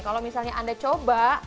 kalau misalnya anda coba